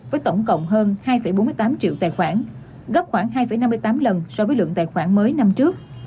với tổng cộng hơn hai bốn mươi tám triệu tài khoản gấp khoảng hai năm mươi tám lần so với lượng tài khoản mới năm trước